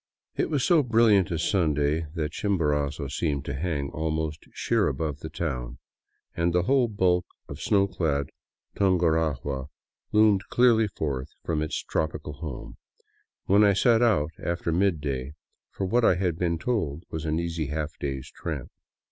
It was so brilliant a Sunday that Chimborazo seemed to hang almost sheer above the town, and the whole bulk of snow clad Tungarahua loomed clearly forth from its tropical home, when I set out after mid day for what I had been told was an easy half day's tramp.